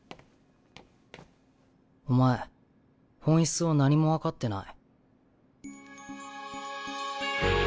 お前本質を何も分かってない。